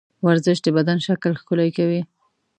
ورزش د بدن شکل ښکلی کوي.